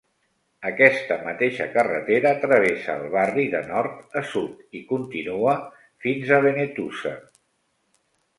Aquesta mateixa carretera travessa el barri de nord a sud i continua fins a Benetússer.